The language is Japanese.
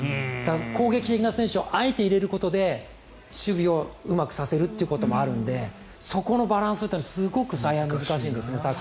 攻撃的な選手をあえて入れることで守備をうまくさせるということもあるのでそこのバランスというのはすごく采配が難しいんですね。